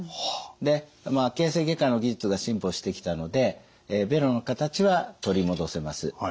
で形成外科の技術が進歩してきたのでベロの形は取り戻せます。